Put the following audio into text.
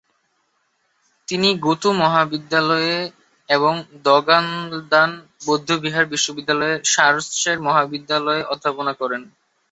তিনি গ্যুতো মহাবিদ্যালয়ে এবং দ্গা'-ল্দান বৌদ্ধবিহার বিশ্ববিদ্যালয়ের শার-র্ত্সে মহাবিদ্যালয়ে অধ্যাপনা করেন।